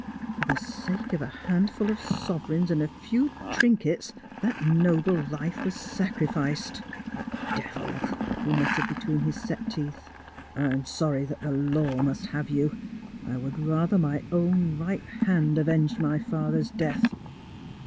For the sake of a handful of sovereigns and a few trinkets that noble life was sacrificed. Devil,' he mut tered between his set teeth, ' I am sorry that the law must have D PA Just as I Am. you. I would rather my own right hand avenged my father's death.'